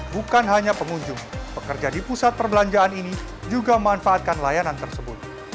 bukan hanya pengunjung pekerja di pusat perbelanjaan ini juga memanfaatkan layanan tersebut